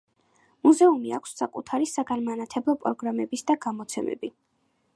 მუზეუმი აქვს საკუთარი საგანმანათლებლო პროგრამები და გამოცემები.